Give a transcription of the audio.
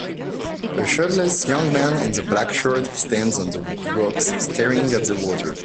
A shirtless young man in black shorts stands on the rocks staring at the water.